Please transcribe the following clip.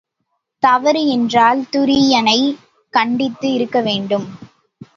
தவறு என்றால் துரி யனைக் கண்டித்து இருக்கவேண்டும்.